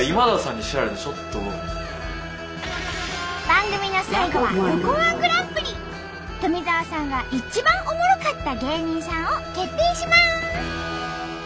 番組の最後はＬｏｃｏ−１グランプリ！富澤さんが一番おもろかった芸人さんを決定します！